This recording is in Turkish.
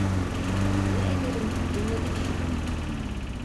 Ne edelim, dinledik işte!